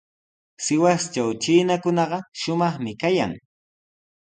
Sihuastraw chiinakunaqa shumaqmi kayan.